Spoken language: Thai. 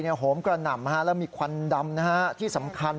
โหมกระหน่ำแล้วมีควันดำที่สำคัญ